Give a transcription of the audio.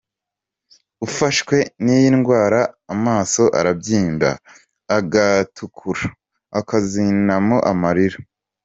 Ufashwe n’iyi ndwara amaso arabyimba, agatukura, akizanamo amarira.